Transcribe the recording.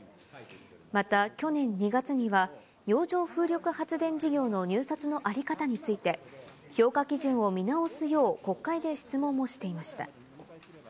また、去年２月には、洋上風力発電事業の入札の在り方について、評価基準を見直すよう国会で質問もしていました。